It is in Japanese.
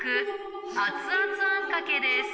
熱々あんかけです。